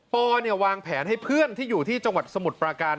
วางแผนให้เพื่อนที่อยู่ที่จังหวัดสมุทรปราการ